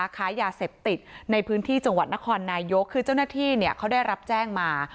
ค้ายาเสพติดในพื้นที่จังหวัดนครนายกคือเจ้าหน้าที่เขาได้รับแจ้งมา